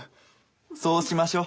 そうしましょう。